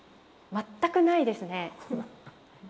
全くないですね。